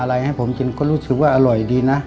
อะไรให้ผมกินก็รู้สึกว่าอร่อยดีนะ